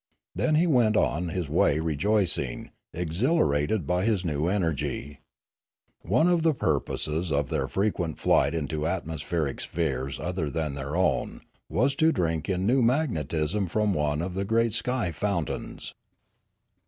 Then he went on his way rejoicing, exhilarated by his new energy. One of the purposes of their frequent flight into atmospheric spheres other than their own was to drink in new mag netism from one of the great sky fountains.